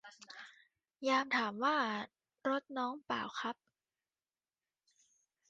ยามถามว่า รถน้องป่าวครับ